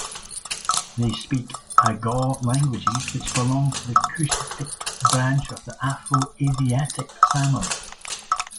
They speak Agaw languages, which belong to the Cushitic branch of the Afro-Asiatic family.